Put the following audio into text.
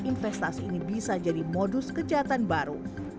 investasi ini bisa jadi modus kejahatan baru